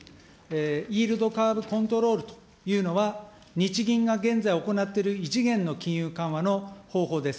イールドカーブ・コントロールというのは、日銀が現在行っている異次元の金融緩和の方法です。